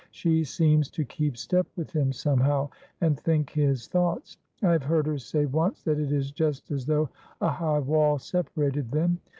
She seems to keep step with him somehow, and think his thoughts. I have heard her say once that it is just as though a high wall separated them.